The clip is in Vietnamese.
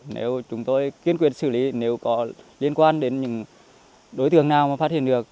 nếu chúng tôi kiên quyền xử lý nếu có liên quan đến những đối tượng nào mà phát hiện được